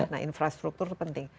nah infrastruktur itu penting